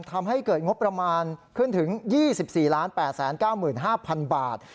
ทำให้เกิดงบประมาณขึ้นถึง๒๔๘๙๕๐๐๐บาท